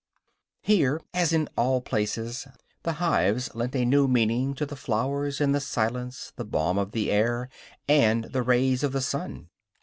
Here, as in all places, the hives lent a new meaning to the flowers and the silence, the balm of the air and the rays of the sun.